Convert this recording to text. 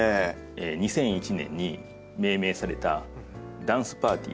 ２００１年に命名された「ダンスパーティー」という。